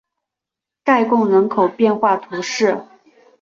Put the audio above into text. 盖贡人口变化图示